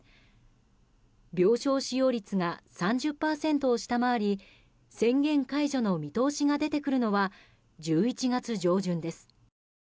病床使用率が３０％を下回り宣言解除の見通しが出てくるのは１１月上旬です。